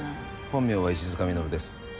本名は石塚ミノルです。